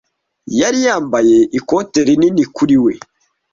Yari yambaye ikote rinini kuri we.